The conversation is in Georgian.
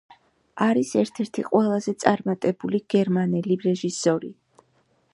არის ერთ-ერთი ყველაზე წარმატებული გერმანელი რეჟისორი.